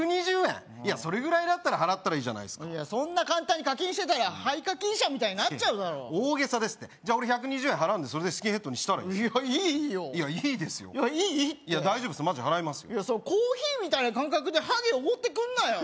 いやそれぐらいだったら払ったらいいじゃないすかそんな簡単に課金してたら廃課金者みたいになっちゃうだろ大げさですってじゃあ俺１２０円払うんでそれでスキンヘッドにしたらいいですよいやいいよいやいいですよいやいいって大丈夫ですマジ払いますよコーヒーみたいな感覚でハゲおごってくんなよ